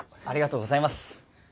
ありがとうございます。